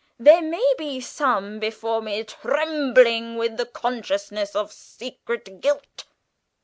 There may be some before me trembling with the consciousness of secret guilt.